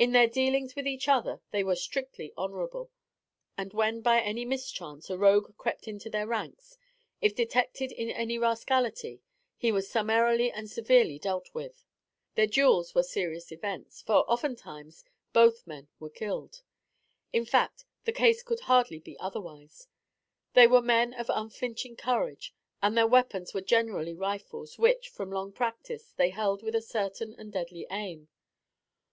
In their dealings with each other they were strictly honorable; and when by any mischance a rogue crept into their ranks, if detected in any rascality, he was summarily and severely dealt with. Their duels were serious events; for, oftentimes both men were killed. In fact, the case could hardly be otherwise. They were men of unflinching courage, and their weapons were generally rifles, which, from long practice, they held with a certain and deadly aim.